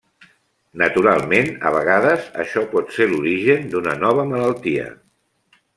Naturalment, a vegades això pot ser l'origen d'una nova malaltia.